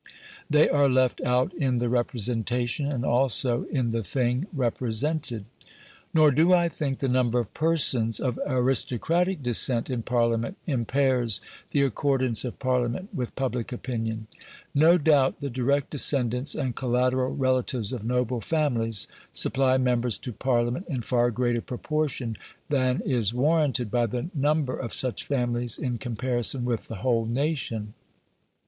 They are left out in the representation, and also in the thing represented. Nor do I think the number of persons of aristocratic descent in Parliament impairs the accordance of Parliament with public opinion. No doubt the direct descendants and collateral relatives of noble families supply members to Parliament in far greater proportion than is warranted by the number of such families in comparison with the whole nation.